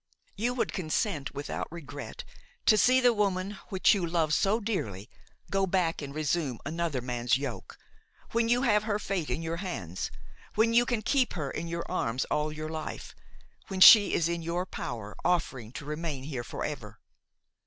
You would consent, without regret, to see the woman which you loved so dearly go back and resume another man's yoke, when you have her fate in your hands, when you can keep her in your arms all your life, when she is in your power, offering to remain here forever!